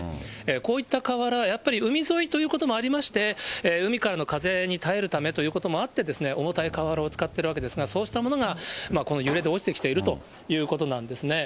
こういった瓦、やっぱり海沿いということもありまして、海からの風に耐えるためということもあって、重たい瓦を使っているわけですが、そうしたものがこの揺れで落ちてきているということなんですね。